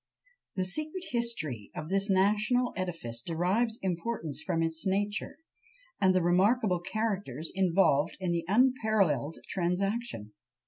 The secret history of this national edifice derives importance from its nature, and the remarkable characters involved in the unparalleled transaction.